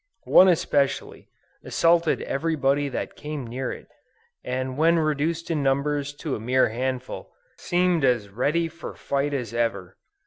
One especially, assaulted every body that came near it, and when reduced in numbers to a mere handful, seemed as ready for fight as ever.